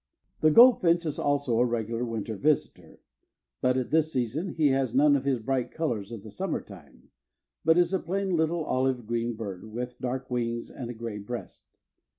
The goldfinch is also a regular winter visitor; but at this season he has none of his bright colors of the summer time; but is a plain little olive green bird, with dark wings and a gray breast.